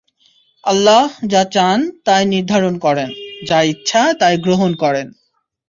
আল্লাহ্ যা চান তাই নির্ধারণ করেন, যা ইচ্ছা তাই গ্রহণ করেন।